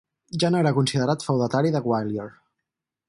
Ja no era considerat feudatari de Gwalior.